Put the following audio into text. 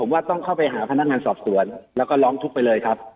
ว่าต้องเข้าไปหาพนักงานสอบสวนแล้วก็ร้องทุกข์ไปเลยครับ